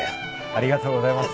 ありがとうございます。